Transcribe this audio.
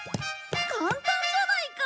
簡単じゃないか！